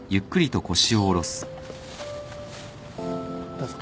どうぞ。